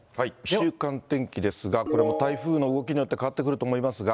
週間天気ですが、これも台風の動きによって変わってくると思